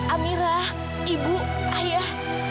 amirah ibu ayah